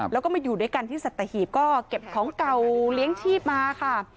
แล้วก็มาอยู่ด้วยกันที่สัตหีบก็เก็บของเก่าเลี้ยงชีพมาค่ะ